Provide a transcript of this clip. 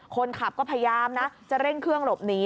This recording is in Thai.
คนขับก็พยายามนะจะเร่งเครื่องหลบหนี